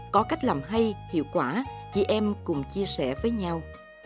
có cách làm hay hiệu quả chị em cùng chia sẻ với nhau